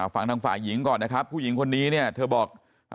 ฟังทางฝ่ายหญิงก่อนนะครับผู้หญิงคนนี้เนี่ยเธอบอก